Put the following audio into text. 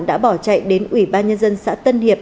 đã bỏ chạy đến ủy ban nhân dân xã tân hiệp